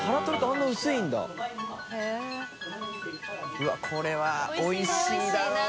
うわっこれはおいしいだろうな。